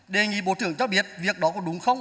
đề nghị bộ trưởng cho biết việc đó có đúng không